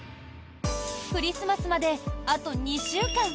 クリスマスまであと２週間。